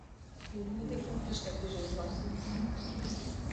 Мом мый декем кишла пижедылат?..